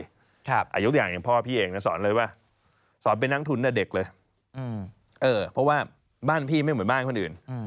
อายุอย่างอย่างพ่อพี่เองนะสอนเลยว่าสอนเป็นนักทุนเด็กเลยเพราะว่าบ้านพี่ไม่เหมือนบ้านคนอื่น